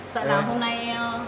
tại sao hôm nay